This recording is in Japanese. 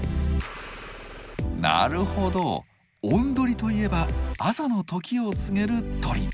なるほどおんどりといえば朝のときを告げる鳥！